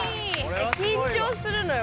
緊張するのよ